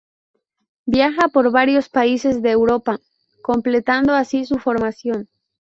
Viaja por varios países de Europa completando así su formación.